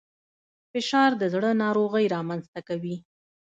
فشار د زړه ناروغۍ رامنځته کوي